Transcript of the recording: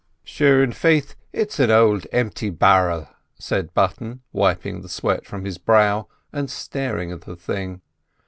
"Sure, an' faith it's an' ould empty bar'l," said Mr Button, wiping the sweat from his brow and staring at the thing.